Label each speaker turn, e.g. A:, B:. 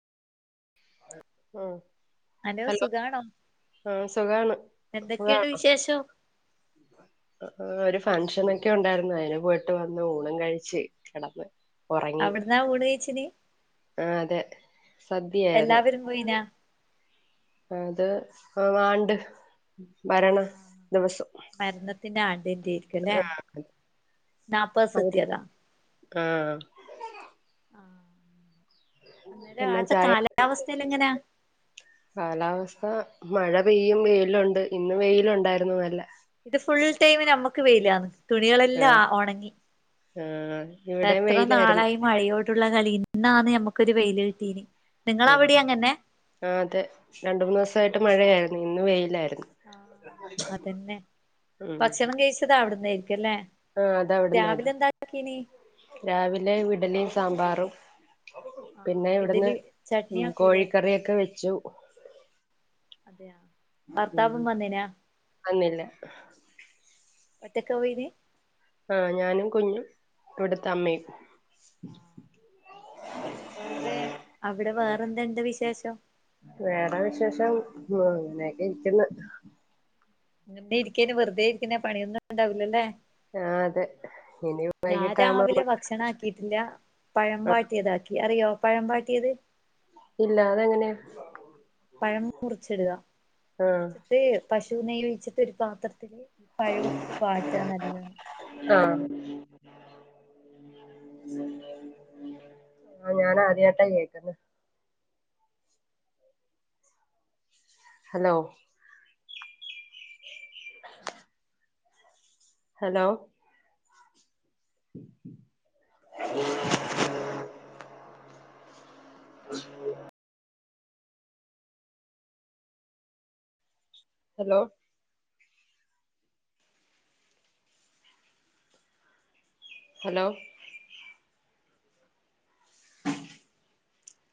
A: ആഹ്
B: hello സുഖാണോ?
A: ആഹ സുഖാണ്
B: എന്തൊക്കെയുണ്ട് വിശേഷം
A: ആ ഒരു ഫംഗഷനൊക്കെ ഉണ്ടായിരുന്നു അതിന് പോയിട്ട് വന്ന് ഊണും കഴിച്ച് കിടന്ന് ഉറങ്ങി
B: അവിടുന്നാ ഊണ് കയ്ച്ചന്
A: ആഹ് അതെ സദ്യയായിരുന്നു
B: എല്ലാവരും പോയിനാ
A: അത് വാണ്ട്
B: മരണത്തിന്റെ ആണ്ടറ്റെക്കുല്ലേ
A: ആഹ്
B: നാപ്പ
A: അവിടെ
B: സത്യത
A: ആഹ്
B: അലോ
A: പിന്നെ
B: അവിട്ത്തെ
A: ചായ
B: കാലാവസ്ഥ ല്ല എങ്ങനെയാ
A: കാലാവസ്ഥ മഴ പെയ്യും വെയിലുണ്ട് ഇന്ന് വെയിലുണ്ടായിരുന്നു നല്ല
B: ഇത് ഫുൾ ടൈമ് നമ്മക്ക് വെയിലന്ന് തുണികളെല്ല
A: ആഹ്
B: ഒണങ്ങി
A: ആഹ് ഇവിടെയും
B: എത്ര
A: വെയിലായിരുന്നു
B: നാളായി മഴയോടുള്ള കളിയും ഇന്നാണ് നമ്മുക്കൊരു വെയിലിട്ടീനെ
A: ആ ആഹ് അതെ രണ്ട് മൂന്ന് സായിട്ട് മഴയായിരുന്നു ഇന്ന് വെയിലായിര്ന്നു
B: ആഹ് അതന്നെ
A: ഉം
B: ഭക്ഷണം കഴിച്ചത് അവിടുന്ന ആയിരിക്കല്ലേ
A: ആഹ് അതവിടന്ന രാവിലെ വിഡലിയും സാമ്പാറും പിന്നെ ഇവിട്ന്ന്
B: ഇഡലി ചട്നി
A: ഉം
B: ആക്കൂലേ
A: കോഴിക്കറിയൊക്കെ വെച്ചു
B: ഭർത്താവും വന്നിനാ?
A: അന്നില്ല
B: ഒറ്റക്ക പോയിനെ
A: ആഹ് ഞാനും കുഞ്ഞും ഇവിട്ത്തെ അമ്മയും
B: വേറെ അവിടെ വേറെന്ത്ണ്ട് വിശേഷം
A: വേറെ വിശേഷം അങ്ങനെയൊക്കെ ഇരിക്കുന്നു
B: ങ്ങനെ ഇരിക്കേനി വെറുതെ ഇരിക്കെന്നി പണിയൊന്നും ഉണ്ടാവില്ലല്ലേ
A: ആഹ് അതെ ഇനി
B: ഞാ
A: വൈകിട്ടാകുമ്പോ
B: രാവിലെ
A: നമ്മ
B: ഭക്ഷണാക്കീട്ടില്ല പഴം വാട്ടിയതാക്കി അറിയോ പഴം വാട്ടിയത്?
A: ഇല്ല അതെങ്ങനെയാ
B: പഴം മുറിച്ചിടുക
A: ആഹ്
B: മുറിച്ചിട്ട് പശു നെയ്യ് ഒഴിച്ചിട്ട് ഒരു പാത്രത്തില് പഴട്ടിട്ട് വാട്ടാ നല്ലോണം
A: ആഹ ആ ഞാൻ ആദ്യായിട്ടാ കേക്ന്നേ ഹലോ [inaudible] ഹലോ [inaudible] [inaudible] ഹലോ ഹലോ